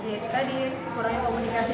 kemudian juga diadil kurangnya komunikasi